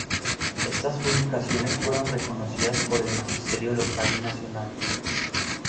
Estas publicaciones fueron reconocidas por el magisterio local y nacional.